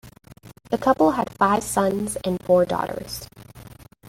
The couple had five sons and four daughters.